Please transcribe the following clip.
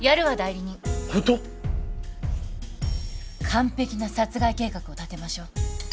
完璧な殺害計画を立てましょう。